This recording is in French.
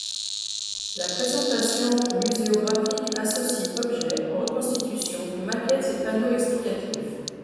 La présentation muséographique associe objets, reconstitutions, maquettes et panneaux explicatifs.